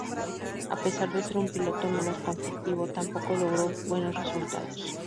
A pesar de ser un piloto menos conflictivo, tampoco logró buenos resultados.